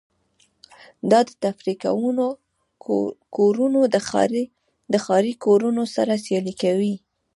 دا د تفریح کورونه د ښاري کورونو سره سیالي کوي